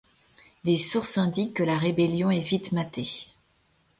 Des sources indiquent que la rébellion est vite matée.